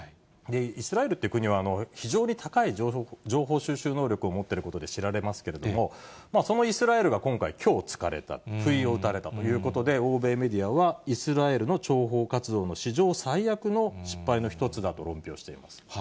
イスラエルという国は、非常に高い情報収集能力を持ってることで知られますけれども、そのイスラエルが今回、虚をつかれた、不意を打たれたということで、欧米メディアは、イスラエルの諜報活動の史上最悪の失敗の一つだと論評しています。